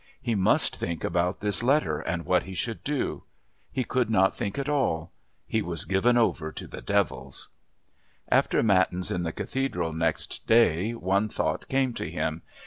He must think about this letter and what he should do. He could not think at all. He was given over to devils. After Matins in the Cathedral next day one thought came to him.